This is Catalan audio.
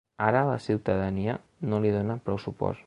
Ara la ciutadania no li dóna prou suport.